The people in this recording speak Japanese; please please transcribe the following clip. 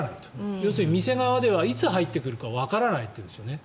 要するに店側ではいつ入ってくるかわからないというんですね。